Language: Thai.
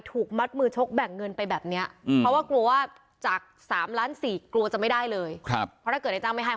ถูกมัดมือโชคแบ่งเงินไปแบบเนี้ยเพราะว่ากลัวว่าจาก๓ล้าน๔กลัวจะไม่ได้เลย